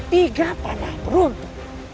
tiga panah beruntung